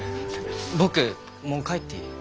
僕もう帰っていい？